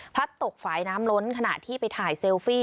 ตกฝ่ายน้ำล้นขณะที่ไปถ่ายเซลฟี่